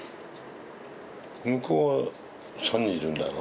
向こうは３人いるんだろ？